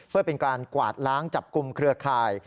เพื่อเป็นการกวาดล้างจับกลุ่มเครือข่าย